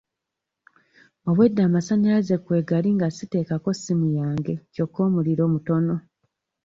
Obwedda amasannyalaze kwegali nga siteekako ssimu yange kyokka omuliro mutono.